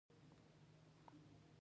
ایا غږ مو ریږدي؟